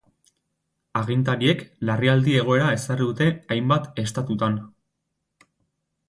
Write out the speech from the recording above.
Agintariek larrialdi-egoera ezarri dute hainbat estatutan.